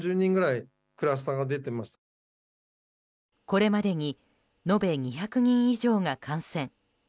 これまでに延べ２００人以上が感染。